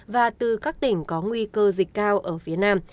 và từ các tỉnh có nguy cơ dịch cao ở phía nam